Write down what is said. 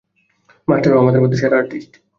Master, ও আমাদের মধ্যে সেরা আর্টিস্ট।